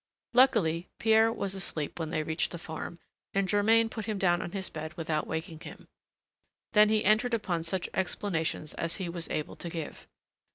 Luckily, Pierre was asleep when they reached the farm, and Germain put him down on his bed without waking him. Then he entered upon such explanations as he was able to give.